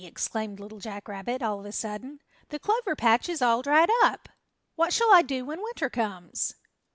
exclaimed Little Jack Rabbit, all of a sudden, "the Clover Patch is all dried up. What shall I do when winter comes?"